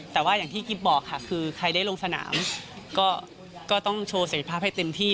แต่ว่าอย่างที่กิ๊บบอกค่ะคือใครได้ลงสนามก็ต้องโชว์เสร็จภาพให้เต็มที่